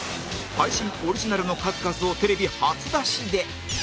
配信オリジナルの数々をテレビ初出しで